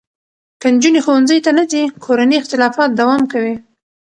که نجونې ښوونځي ته نه ځي، کورني اختلافات دوام کوي.